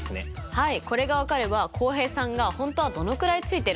はい。